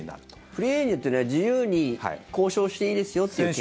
フリーエージェントというのは自由に交渉していいですよという権利。